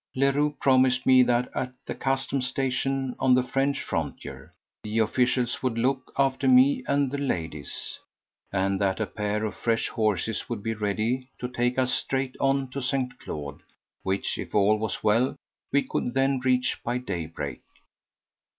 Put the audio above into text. Leroux promised me that at the customs station on the French frontier the officials would look after me and the ladies, and that a pair of fresh horses would be ready to take us straight on to St. Claude, which, if all was well, we could then reach by daybreak.